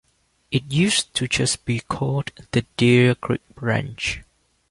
It used to just be called "The Deer Creek Ranch".